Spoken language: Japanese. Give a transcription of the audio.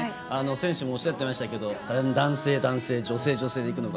選手もおっしゃってましたけど男性、男性、女性、女性でいくのか。